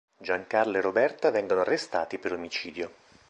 Giancarlo e Roberta vengono arrestati per omicidio.